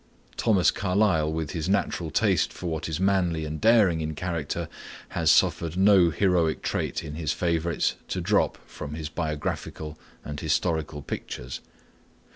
Thomas Carlyle, with his natural taste for what is manly and daring in character, has suffered no heroic trait in his favorites to drop from his biographical and historical pictures.